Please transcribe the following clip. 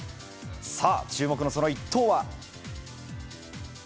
さあ、注目のその一投は。